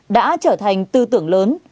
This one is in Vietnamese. đã trở thành tư tưởng lớn